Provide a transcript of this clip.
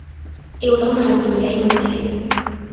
要諗下自己問題